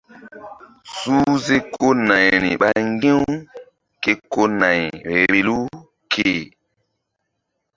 Suhze ko nayri ɓa ŋgi̧-u ke ko nay vbilu ke.